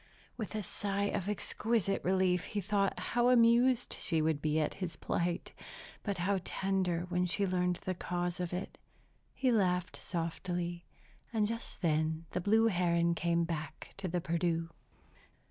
With a sigh of exquisite relief he thought how amused she would be at his plight, but how tender when she learned the cause of it. He laughed softly; and just then the blue heron came back to the Perdu.